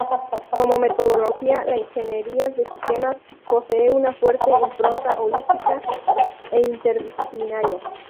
Como metodología, la ingeniería de sistemas posee una fuerte impronta holística e interdisciplinaria.